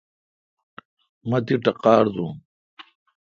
مہ تی ٹقار دوں۔